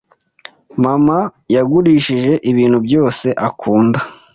Mama yagurishije ibintu byose akunda.